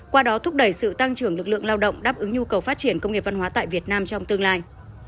qua đó thúc đẩy sự tăng trưởng lực lượng lao động đáp ứng nhu cầu phát triển công nghiệp văn hóa tại việt nam trong tương lai